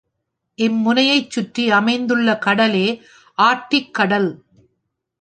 இம் முனையைச் சுற்றி அமைந்துள்ள கடலே ஆர்க்டிக் கடல்.